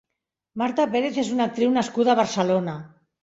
Marta Pérez és una actriu nascuda a Barcelona.